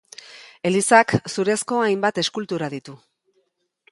Elizak zurezko hainbat eskultura ditu.